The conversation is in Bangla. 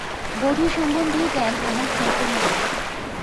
বধূসম্বন্ধীয় জ্ঞান আমার সম্পূর্ণ নয়।